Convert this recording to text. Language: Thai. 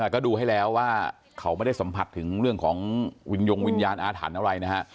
ก็ดูให้แล้วว่าเขาไม่ได้สัมผัสถึงเรื่องของวิญญงวิญญาณอาถรรพ์อะไรนะฮะ